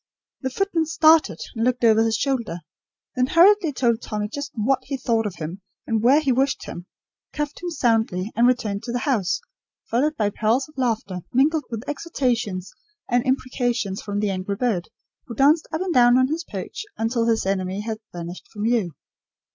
The footman started, and looked over his shoulder; then hurriedly told Tommy just what he thought of him, and where he wished him; cuffed him soundly, and returned to the house, followed by peals of laughter, mingled with exhortations and imprecations from the angry bird, who danced up and down on his perch until his enemy had vanished from view.